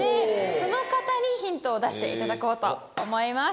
その方にヒントを出して頂こうと思います。